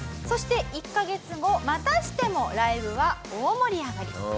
そして１カ月後またしてもライブは大盛り上がり。